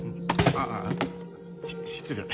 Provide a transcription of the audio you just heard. ああ失礼。